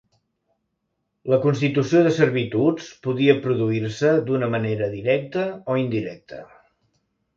La constitució de servituds podia produir-se d'una manera directa o indirecta.